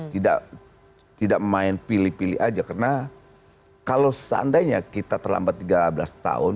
tidak tidak main pilih pilih aja karena kalau seandainya kita terlambat tiga belas tahun